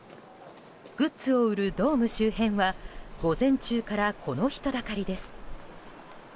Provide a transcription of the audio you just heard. グッズを売るドーム周辺は午前中からこの人だかりです。